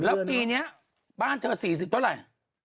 แล้วปีนี้บ้านเธอ๔๐เท่าไหร่